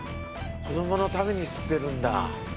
子どものために吸ってるんだ。